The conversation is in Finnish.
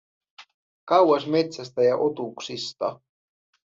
Kauas metsästä ja otuksista.